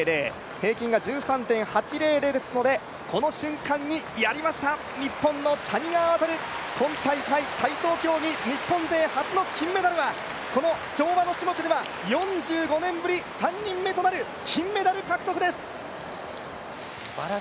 平均が１３．８００ですのでこの瞬間に、日本の谷川航今大会、体操競技日本勢初の金メダルはこの跳馬の種目では４５年ぶり３人目となる金メダル獲得です。